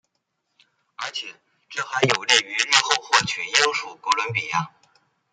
而且这还有利于日后获取英属哥伦比亚。